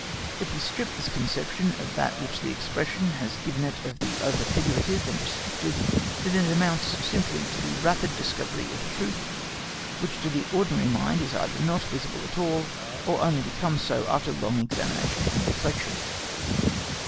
If we strip this conception of that which the expression has given it of the over figurative and restricted, then it amounts simply to the rapid discovery of a truth which to the ordinary mind is either not visible at all or only becomes so after long examination and reflection.